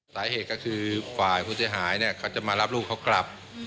สาเหตุก็คือฝ่ายผู้เสียหายเนี่ยเขาจะมารับลูกเขากลับ